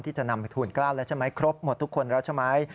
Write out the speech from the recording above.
จะนำไปทูลกล้าแล้วใช่ไหมครบหมดทุกคนแล้วใช่ไหม